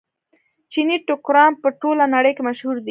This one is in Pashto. چیني ټوکران په ټوله نړۍ کې مشهور دي.